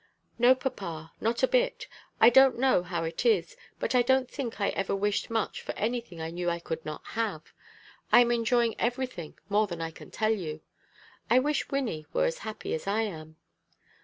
"No, papa; not a bit. I don't know how it is, but I don't think I ever wished much for anything I knew I could not have. I am enjoying everything more than I can tell you. I wish Wynnie were as happy as I am."